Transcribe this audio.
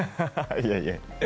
いやいや！